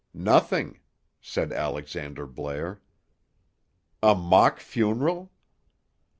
"Nothing," said Alexander Blair. "A mock funeral!"